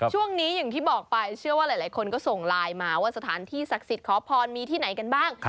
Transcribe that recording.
ช่วงนี้อย่างที่บอกไปเชื่อว่าหลายคนก็ส่งไลน์มาว่าสถานที่ศักดิ์สิทธิ์ขอพรมีที่ไหนกันบ้าง